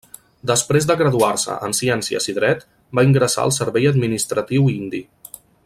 Després de graduar-se en Ciències i Dret, va ingressar al servei administratiu indi.